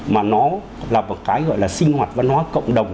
mà nó là một cái gọi là sinh hoạt văn hóa cộng đồng